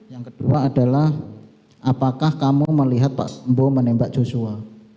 yang kedua adalah apakah kamu melihat pak tembo menembak joshua